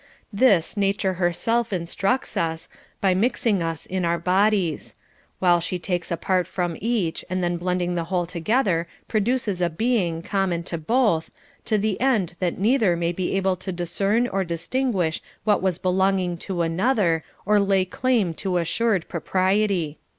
This Nature herself instructs us, by mixing us in our bodies ; while she takes a part from each, and then blending the whole together produces a being common to both, to the end that neither may be able to discern or distinguish what was belonging to another, or lay claim to assured propriety.